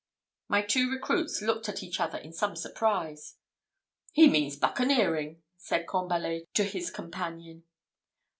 My two recruits looked at each other in some surprise. "He means a buccaneering!" said Combalet to his companion.